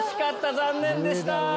残念でした。